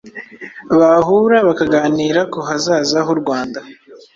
bahura bakaganira ku hazaza h’u Rwanda,